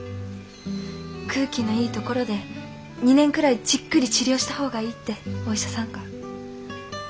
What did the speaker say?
空気のいい所で２年くらいじっくり治療した方がいいってお医者さんが。